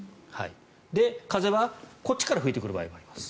で、風はこっちから吹いてくる場合もあります。